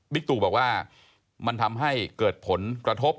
ตู่บอกว่ามันทำให้เกิดผลกระทบ